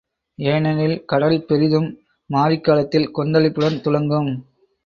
ஏனெனில் கடல் பெரிதும் மாரிக் காலத்தில் கொந்தளிப்புடன் துலங்கும்.